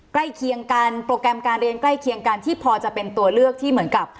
ใกล้เคียงกันโปรแกรมการเรียนใกล้เคียงกันที่พอจะเป็นตัวเลือกที่เหมือนกับ